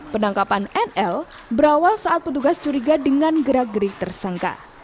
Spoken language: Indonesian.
penangkapan nl berawal saat petugas curiga dengan gerak gerik tersangka